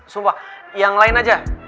sumpah yang lain aja